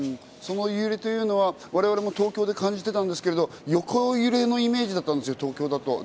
その揺れというのは、我々も東京で感じていたんですけど横揺れのイメージだったんです東京だと。